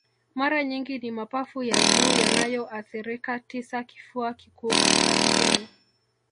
Mara nyingi ni mapafu ya juu yanayoathirika tisa Kifua kikuu katika sehemu